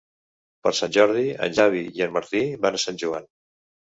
Per Sant Jordi en Xavi i en Martí van a Sant Joan.